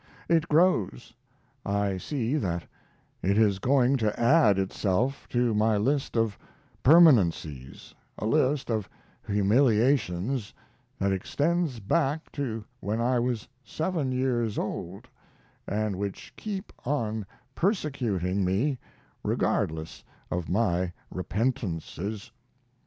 It grows. I see that it is going to add itself to my list of permanencies, a list of humiliations that extends back to when I was seven years old, and which keep on persecuting me regardless of my repentances.